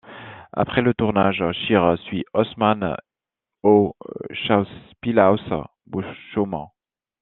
Après le tournage, Scheer suit Haussmann au Schauspielhaus Bochum.